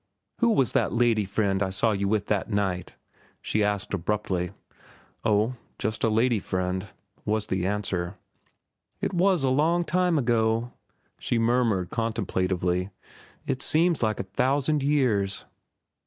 "Who was that lady friend I seen you with that night?" she asked abruptly. "Oh, just a lady friend," was his answer. "It was a long time ago," she murmured contemplatively. "It seems like a thousand years."